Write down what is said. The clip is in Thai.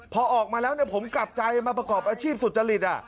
พอออกมาแล้วเนี่ยผมกลับใจมาประกอบอาชีพสุจรรย์อ่ะ